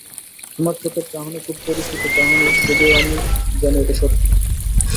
তোমার চোখের চাহনি খুব পরিচিত চাহনি যদিও আমি জানি এইটা সত্য।